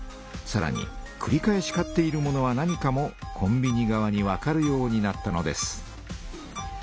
さらにくり返し買っているものは何かもコンビニ側にわかるようになったのです。